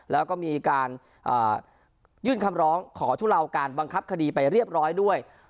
แล้วก็มีการยื่นคำร้องขอทุเลาการบังคับคดีไปเรียบร้อยด้วย